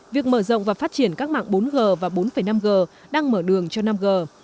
việc mở rộng và phát triển các mạng bốn g và bốn năm g đang mở đường cho năm g